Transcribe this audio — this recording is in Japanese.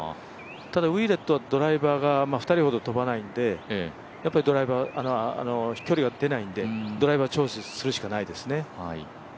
ただ、ウィレットはドライバーが２人ほど飛ばないのでやっぱり飛距離が出ないんでドライバーチョイスするしかないですね。